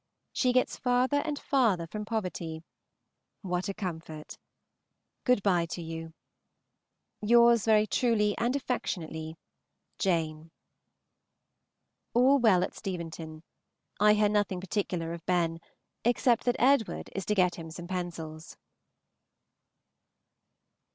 She gets farther and farther from poverty. What a comfort! Good by to you. Yours very truly and affectionately, JANE. All well at Steventon. I hear nothing particular of Ben, except that Edward is to get him some pencils.